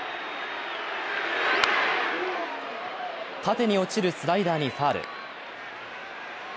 縦に落ちるスライダーにファウル。